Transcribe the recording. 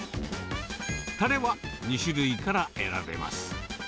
たれは２種類から選べます。